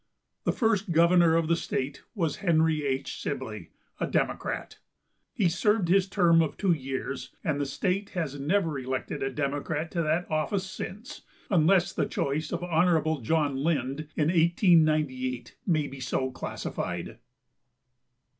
The first governor of the state was Henry H. Sibley, a Democrat. He served his term of two years, and the state has never elected a Democrat to that office since, unless the choice of Hon. John Lind, in 1898, may be so classified.